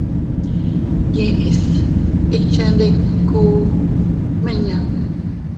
Yiʼis ikchendiku miña.